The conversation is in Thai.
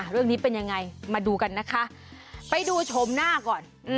เรื่องนี้เป็นยังไงมาดูกันนะคะไปดูชมหน้าก่อน